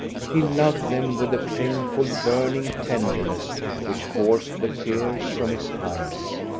He loved th^m with a painful, burning tenderness which forced the tears from his eyes.